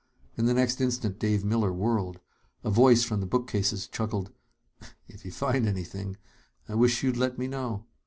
In the next instant, Dave Miller whirled. A voice from the bookcases chuckled: "If you find anything, I wish you'd let me know.